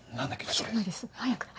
知らないです早く早く。